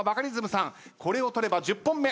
これを取れば１０本目。